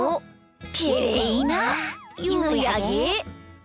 きれいなゆうやけ。